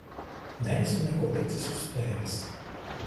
Neesmu neko licis uz spēles.